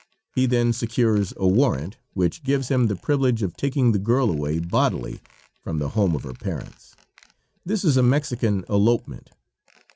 He then secures a warrant, which gives him the privilege of taking the girl away bodily from the home of her parents. This is a Mexican elopement.